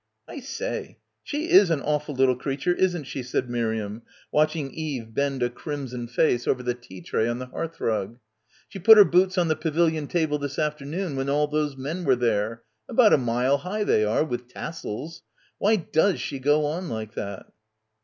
"I say, she is an awful little creature, isn't she?" said Miriam, watching Eve bend a crim son face over the tea tray on the hearthrug. "She put her boots on the pavilion table this afternoon when all those men were there — about a mile high they are — with tassels. Why does she go on like that?"